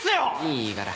いいから。